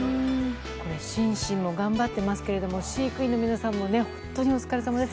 シンシンも頑張っていますが飼育員の皆さんも本当にお疲れさまです。